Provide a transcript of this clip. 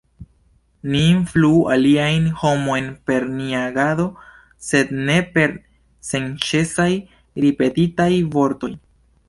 Ni influu aliajn homojn per nia agado, sed ne per senĉesaj ripetitaj vortoj.